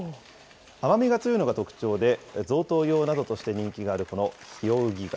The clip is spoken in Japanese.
甘みが強いのが特徴で、贈答用などとして人気があるこのヒオウギ貝。